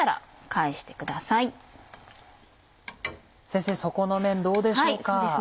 先生底の面どうでしょうか？